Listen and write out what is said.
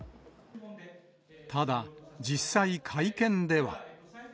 ただ、実際、会見では。